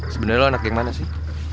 sebenarnya lo anak yang mana sih